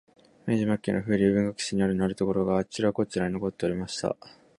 明治末期の風流文学史になるところが、あちらこちらに残っておりました